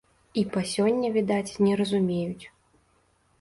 І па сёння, відаць, не разумеюць.